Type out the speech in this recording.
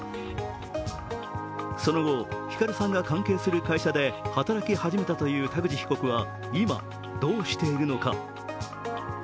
その後、ヒカルさんが関係する会社で働き始めたという田口被告は今どうしているのか？